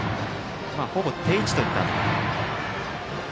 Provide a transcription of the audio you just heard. ほぼ定位置といった辺り。